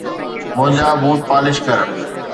منهنجا boot polish ڪر